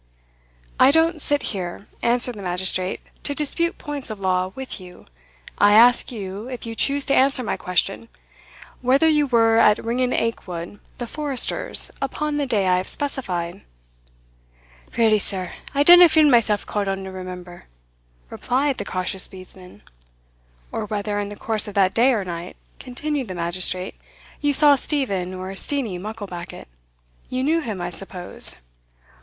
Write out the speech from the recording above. "I don't sit here," answered the magistrate, "to dispute points of law with you. I ask you, if you choose to answer my question, whether you were at Ringan Aikwood, the forester's, upon the day I have specified?" "Really, sir, I dinna feel myself called on to remember," replied the cautious bedesman. "Or whether, in the course of that day or night," continued the magistrate, "you saw Steven, or Steenie, Mucklebackit? you knew him, I suppose?"